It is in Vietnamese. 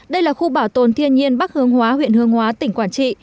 đây là khu bảo tồn thiên nhiên bắc hướng hóa huyện hướng hóa tỉnh quảng trị